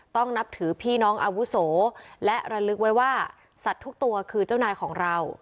นับถือพี่น้องอาวุโสและระลึกไว้ว่าสัตว์ทุกตัวคือเจ้านายของเรา